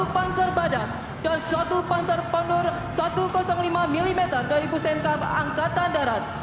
satu panzer badak dan satu panzer pandur satu ratus lima mm dari busenif angkatan darat